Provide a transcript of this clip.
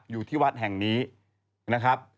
อยู่ที่วัดแห่งนี้นะครับ